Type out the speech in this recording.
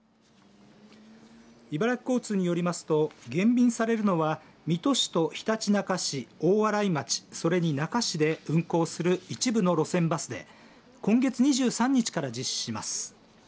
茨城交通によりますと減便されるのは水戸市とひたちなか市、大洗町それに那珂市で運行する一部の路線バスで今月２３日から実施します。